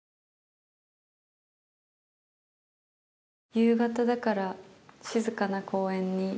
夕方だから静かな公園に。